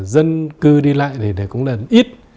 dân cư đi lại thì cũng là ít